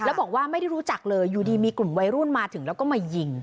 แล้วบอกว่าไม่ได้รู้จักเลยอยู่ดีมีกลุ่มวัยรุ่นมาถึงแล้วก็มายิง